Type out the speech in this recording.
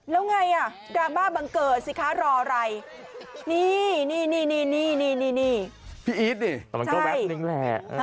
แล้วไงดราม่าบังเกิดสิคะรออะไรนี่พี่อีทนี่มันก็แบบนึงแหละ